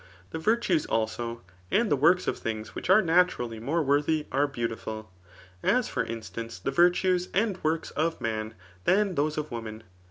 The virtues, also, and the wdrks of things which are naturally more worthy, are beautiful ; as, for instance, the virtues and works of lAflA than those of woihan.